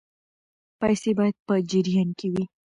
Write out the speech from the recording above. پیسې باید په جریان کې وي.